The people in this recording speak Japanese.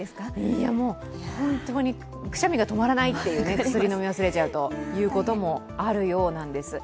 いやもう本当にくしゃみが止まらない、薬を飲み忘れちゃうと、ということもあるようです。